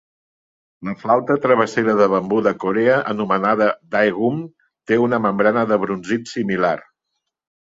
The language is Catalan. La flauta travessera de bambú de Corea anomenada "daegum" té una membrana de brunzit similar.